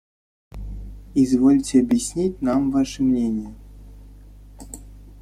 – Извольте объяснить нам ваше мнение».